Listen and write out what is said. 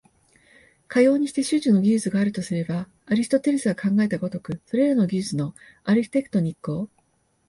かようにして種々の技術があるとすれば、アリストテレスが考えた如く、それらの技術のアルヒテクトニックを、